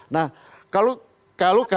nah kalau kalau kalau